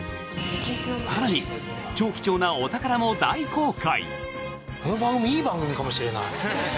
更に、超貴重なお宝も大公開。